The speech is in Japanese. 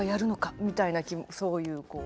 みたいなそういうこう。